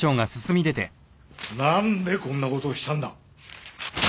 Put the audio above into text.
なんでこんな事をしたんだ！